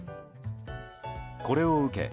これを受け